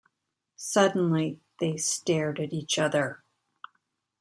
Suddenly they stared at each other.